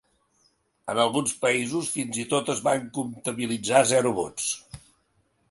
En alguns països, fins i tot es van comptabilitzar zero vots.